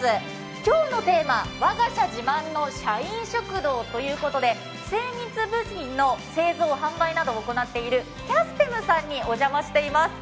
今日のテーマ「我が社自慢の社員食堂」ということで精密部品の製造・販売などを行っているキャステムさんにお邪魔しています。